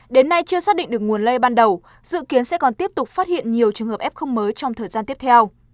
đến nay chưa xác định được nguồn lây ban đầu dự kiến sẽ còn tiếp tục phát hiện nhiều trường hợp f mới trong thời gian tiếp theo